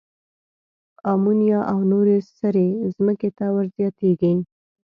آمونیا او نورې سرې ځمکې ته ور زیاتیږي.